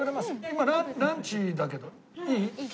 今ランチだけどいい？